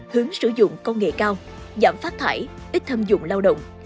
hướng sử dụng công nghệ cao giảm phát thải ít thâm dụng lao động